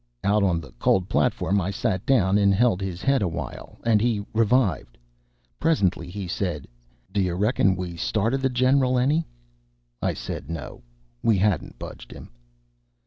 Out on the cold platform I sat down and held his head a while, and he revived. Presently he said, "Do you reckon we started the Gen'rul any?" I said no; we hadn't budged him.